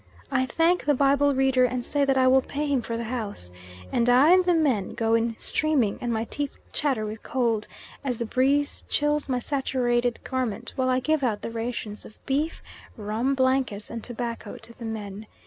I thank the Bible reader and say that I will pay him for the house, and I and the men go in streaming, and my teeth chatter with cold as the breeze chills my saturated garment while I give out the rations of beef, rum, blankets, and tobacco to the men.